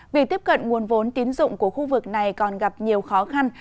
vì tiếp cận nguồn vốn tín dụng của khu vực này còn gặp nhiều khó khăn